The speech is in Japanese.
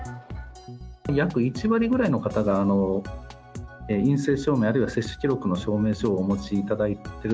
約１割ぐらいの方が、陰性証明、あるいは接種記録の証明書をお持ちいただいている。